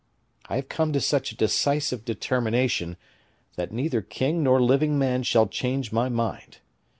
I have come to such a decisive determination, that neither king nor living man shall change my mind.